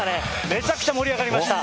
めちゃくちゃ盛り上がりました。